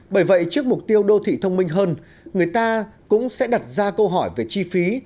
bởi vậy trước mục tiêu đô thị thông minh hơn người ta cũng sẽ đặt ra câu hỏi về chi phí